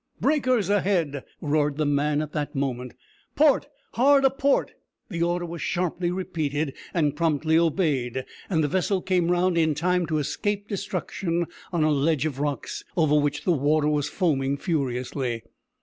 "Breakers ahead!" roared the man at that moment "port! hard a port!" The order was sharply repeated, and promptly obeyed, and the vessel came round in time to escape destruction on a ledge of rocks, over which the water was foaming furiously.